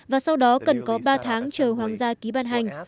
và sau đó cần có ba tháng chờ hoàng gia ký ban hành